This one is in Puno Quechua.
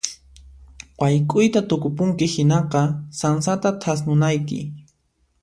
Wayk'uyta tukupunki hinaqa sansata thasnunayki.